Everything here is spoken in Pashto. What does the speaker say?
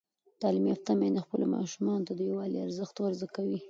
تعلیم یافته میندې خپلو ماشومانو ته د یووالي ارزښت ور زده کوي.